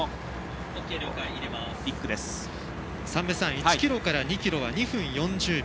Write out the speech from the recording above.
１ｋｍから２ｋｍは２分４０秒。